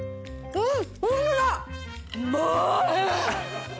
うん。